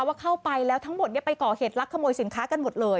ว่าเข้าไปแล้วทั้งหมดไปก่อเหตุลักขโมยสินค้ากันหมดเลย